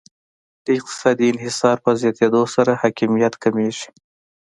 د اقتصادي انحصار په زیاتیدو سره حاکمیت کمیږي